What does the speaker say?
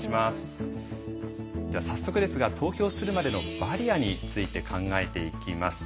早速ですが投票するまでのバリアについて考えていきます。